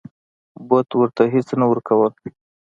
بت ورته هیڅ نه ورکول.